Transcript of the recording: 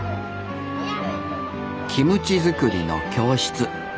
キムチ作りの教室。